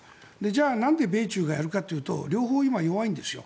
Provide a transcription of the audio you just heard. じゃあ、なんで米中がやるかというと両方、今弱いんですよ。